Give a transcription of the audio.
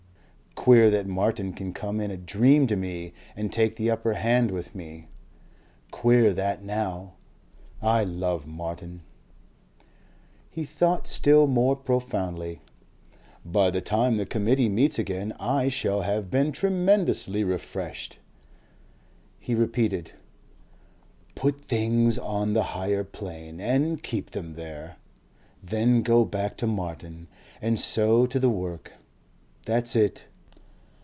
"Queer that Martin can come in a dream to me and take the upper hand with me. "Queer that NOW I love Martin." He thought still more profoundly. "By the time the Committee meets again I shall have been tremendously refreshed." He repeated: "Put things on the Higher Plane and keep them there. Then go back to Martin. And so to the work. That's it...."